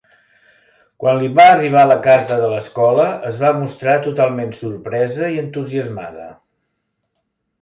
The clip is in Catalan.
Quan li va arribar la carta de l'escola es va mostrar totalment sorpresa i entusiasmada.